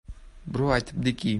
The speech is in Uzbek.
Birov aytibdiki: